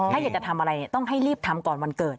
ถ้าอยากจะทำอะไรต้องให้รีบทำก่อนวันเกิด